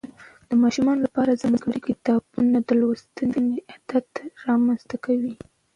د ماشومانو لپاره ځانګړي کتابونه د لوستنې عادت رامنځته کوي.